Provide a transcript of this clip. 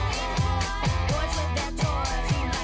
พี่ไม่เคยมาเจอผมเลยนอกจากเอกเท่านั้น